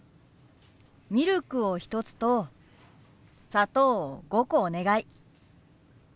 ミルクを１つと砂糖を５個お願い。